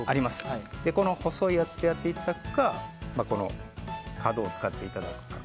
細いやつでやっていただくか角を使っていただくか。